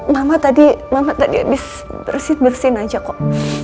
mama tadi mama tadi habis bersin bersin aja kok